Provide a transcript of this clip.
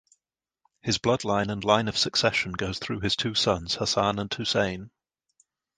His bloodline and line of succession goes through his two sons Hasan and Hussein.